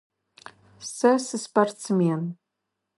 Сэ сыспортсмен.